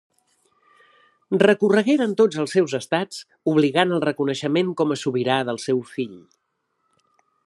Recorregueren tots els seus estats obligant al reconeixement com a sobirà del seu fill.